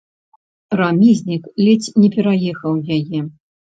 Рамізнік ледзь не пераехаў яе.